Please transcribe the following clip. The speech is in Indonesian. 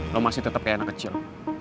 lo masih tetap kayak anak kecil